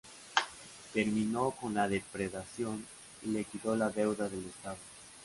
Terminó con la depredación y liquidó la deuda del Estado.